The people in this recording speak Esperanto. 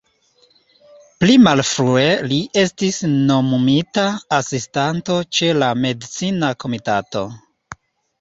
Pli malfrue, li estis nomumita Asistanto ĉe la Medicina Komitato.